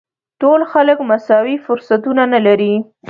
ټول خلک مساوي فرصتونه نه لري.